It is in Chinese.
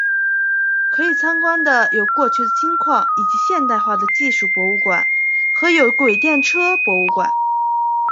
可以参观的有过去的金矿以及现代化的技术博物馆和有轨电车博物馆。